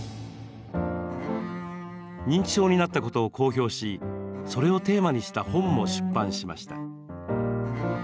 認知症になったことを公表しそれをテーマにした本も出版しました。